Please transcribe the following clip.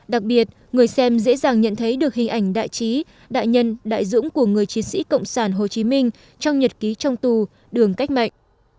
đặc biệt người xem dễ dàng nhận thấy được hình ảnh đại trí đại nhân đại dũng của người chiến sĩ cộng sản hồ chí minh trong nhật ký trong tù đường cách mệnh